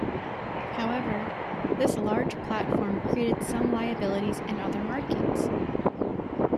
However this large platform created some liabilities in other markets.